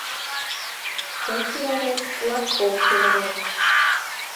Ты кӱварет, латкок кӱварет